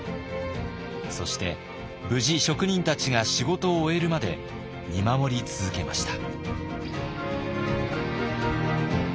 そして無事職人たちが仕事を終えるまで見守り続けました。